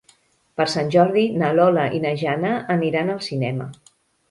Per Sant Jordi na Lola i na Jana aniran al cinema.